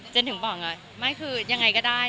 ถึงบอกไงไม่คือยังไงก็ได้